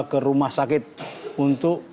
ke rumah sakit untuk